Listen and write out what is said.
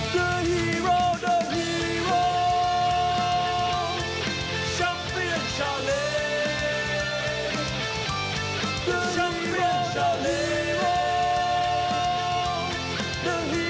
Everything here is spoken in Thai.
โปรดติดตามตอนต่อไป